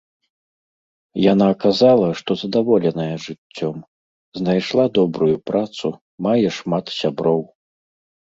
Яна казала, што задаволеная жыццём, знайшла добрую працу, мае шмат сяброў.